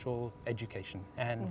dan mengumpulkan data